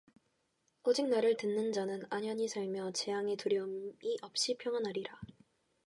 오직 나를 듣는 자는 안연히 살며 재앙의 두려움이 없이 평안하리라